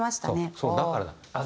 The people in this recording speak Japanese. そうだからだ。